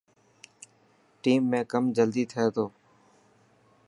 ٽيم ۾ ڪم جلدي ٿي ٿو.